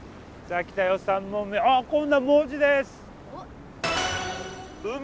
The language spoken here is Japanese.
あ今度は文字です。